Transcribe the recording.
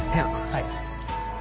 はい。